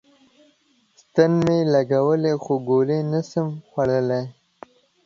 ستن می لګولی خو ګولی نسم خوړلای